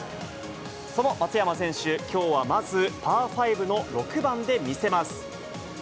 その松山選手、きょうはまずパー５の６番で見せます。